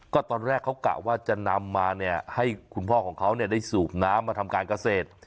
ก็ตอนแรกเขากะว่าจะนำมาเนี่ยให้คุณพ่อของเขาได้สูบน้ำมาทำการเกษตร